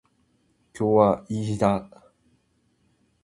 今日はいい日だ。